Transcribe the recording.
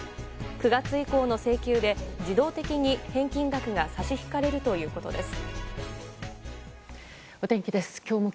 ９月以降の請求で自動的に返金額が差し引かれるということです。